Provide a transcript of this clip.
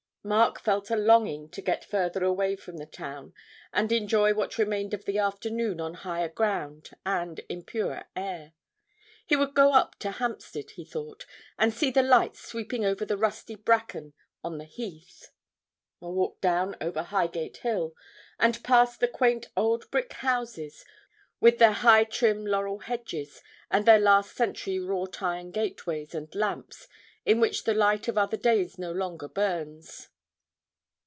Mark felt a longing to get further away from the town and enjoy what remained of the afternoon on higher ground and in purer air; he would go up to Hampstead, he thought, and see the lights sweeping over the rusty bracken on the heath, or walk down over Highgate Hill, and past the quaint old brick houses with their high trim laurel hedges and their last century wrought iron gateways and lamps in which the light of other days no longer burns.